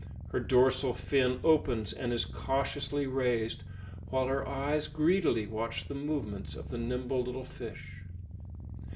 Her dorsal fin opens out and is cautiously raised, while her eyes greedily watch the movements of the nimble little fish.